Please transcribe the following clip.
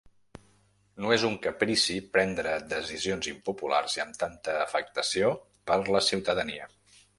No és un caprici prendre decisions impopulars i amb tanta afectació per la ciutadania.